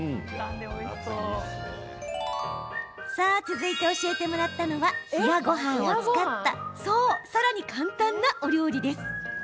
続いて教えてもらったのは冷やごはんを使ったさらに簡単な料理。